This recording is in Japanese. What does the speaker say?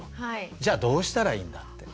じゃあどうしたらいいんだって。